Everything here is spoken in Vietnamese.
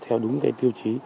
theo đúng cái tiêu chí